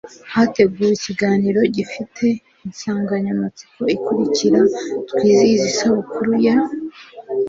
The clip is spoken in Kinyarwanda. hateguwe ikiganiro gifite insangamatsiko ikurikira Twizihize Isabukuru ya